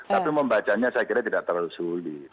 tapi membacanya saya kira tidak terlalu sulit